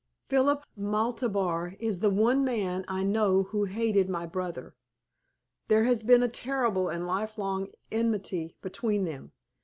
"Philip Maltabar is the one man I know who hated my brother. There has been a terrible and lifelong enmity between them.